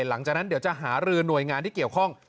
หลังจากนั้นเดี๋ยวจะหารือหน่วยงานที่เกี่ยวข้อง